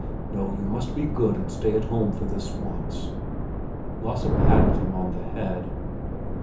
"No, you must be good and stay at home for this once." Lasse patted him on the head.